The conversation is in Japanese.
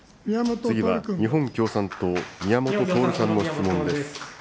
次は日本共産党、宮本徹さんの質問です。